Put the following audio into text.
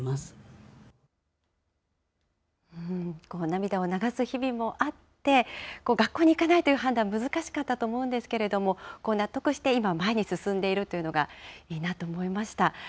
涙を流す日々もあって、学校に行かないという判断、難しかったと思うんですけれども、こう納得して、今前に進んでいるというのがいいなと思いました。